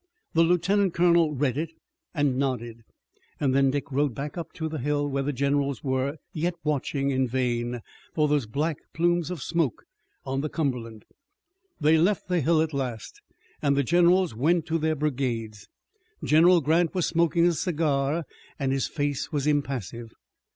The lieutenant colonel read it and nodded. Then Dick rode back to the hill where the generals were yet watching in vain for those black plumes of smoke on the Cumberland. They left the hill at last and the generals went to their brigades. General Grant was smoking a cigar and his face was impassive.